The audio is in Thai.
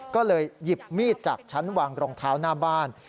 ก็เลยหยิบมีดจากชั้นวางรองเท้าหน้าบ้าน